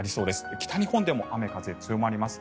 北日本でも雨、風強まります。